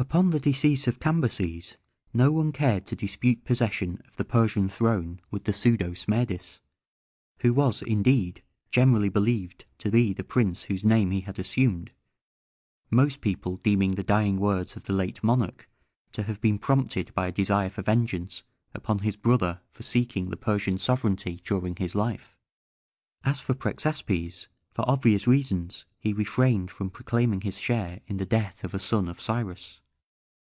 Upon the decease of Cambyses, no one cared to dispute possession of the Persian throne with the pseudo Smerdis, who was, indeed, generally believed to be the prince whose name he had assumed, most people deeming the dying words of the late monarch to have been prompted by a desire for vengeance upon his brother for seeking the Persian sovereignty during his life. As for Prexaspes, for obvious reasons he refrained from proclaiming his share in the death of a son of Cyrus.